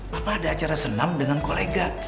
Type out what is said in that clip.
papa ada acara senam dengan kolega